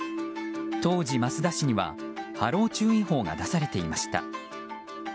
当時、益田市には波浪注意報が出されていました。